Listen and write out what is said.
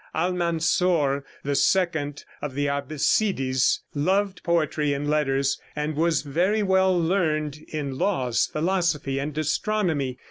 Almansor, the second of the Abassides, loved poetry and letters, and was very well learned in laws, philosophy and astronomy.